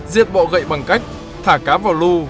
diệt bọ gậy bằng cách thả cá vào lưu